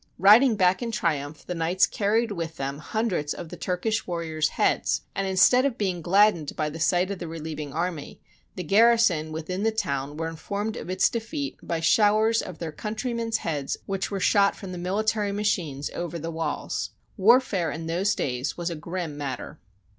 Riding back in triumph, the knights carried with them hundreds of the Turkish warriors' heads, and, instead of being gladdened by the sight of the relieving army, the garrison within the town were informed of its defeat by showers of their country men's heads which were shot from the military machines over the walls. Warfare in those days was a grim matter.